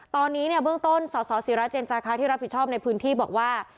ตอนนี้เนี่ยเบื้องต้นสสิราเจนจาคะที่รับผิดชอบในพื้นที่บอกว่า